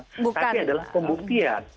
tapi adalah pembuktian